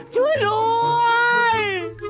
ช่วยรวย